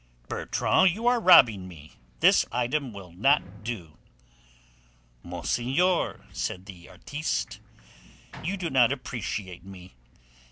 "Bertrand, you are robbing me: this item will not do." "Monseigneur," said the artiste, "you do not appreciate me.